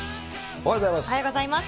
おはようございます。